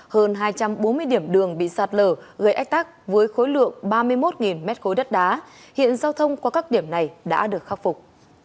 hơn hai trăm bốn mươi điểm đường bị sạt lở gây ách tắc với khối lượng ba mươi một m ba đất đá hiện giao thông qua các điểm này đã được khắc phục